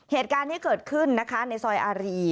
เหตุการณ์ที่เกิดขึ้นนะคะในซอยอารี